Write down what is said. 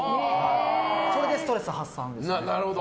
それでストレス発散です。